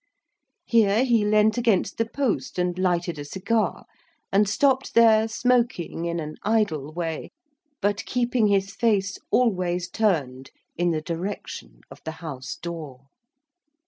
Here he leant against the post, and lighted a cigar, and stopped there smoking in an idle way, but keeping his face always turned in the direction of the house door.